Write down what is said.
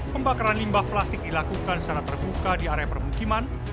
pembakaran limbah plastik dilakukan secara terbuka di area permukiman